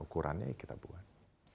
ukurannya ya kita buat